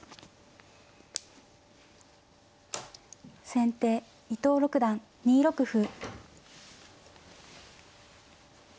先手伊藤六段２六歩。